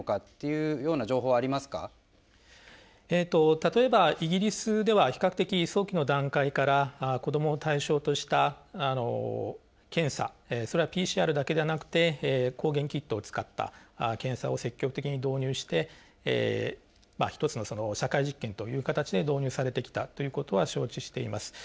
例えばイギリスでは比較的早期の段階から子どもを対象とした検査それはＰＣＲだけではなくて抗原キットを使った検査を積極的に導入して一つの社会実験という形で導入されてきたということは承知しています。